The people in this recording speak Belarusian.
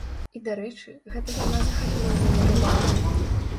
І, дарэчы, гэта яна захапіла мяне рыбалкай.